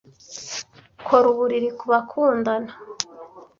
kora uburiri kubakundana,